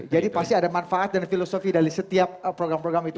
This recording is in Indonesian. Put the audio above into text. jadi pasti ada manfaat dan filosofi dari setiap program program itu